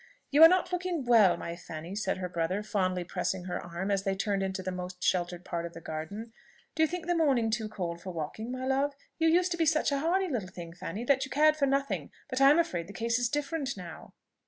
"You are not looking well, my Fanny," said her brother, fondly pressing her arm as they turned into the most sheltered part of the garden. "Do you think the morning too cold for walking, my love? You used to be such a hardy little thing, Fanny, that you cared for nothing; but I am afraid the case is different now."